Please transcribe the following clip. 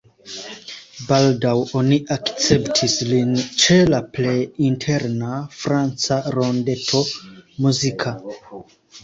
Baldaŭ oni akceptis lin ĉe la plej interna franca rondeto muzika.